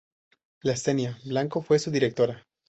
Lastenia Blanco fue su directora.